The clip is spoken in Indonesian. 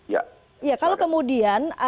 ya kalau kemudian